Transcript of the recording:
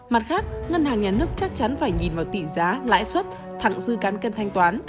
mặt khác ngân hàng nhà nước chắc chắn phải nhìn vào tỷ giá lãi suất thẳng dư cán cân thanh toán